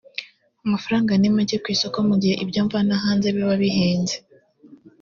amafaranga ni make ku isoko mu gihe ibyo mvana hanze biba bihenze